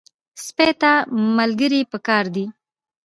سپي ته ملګري پکار دي.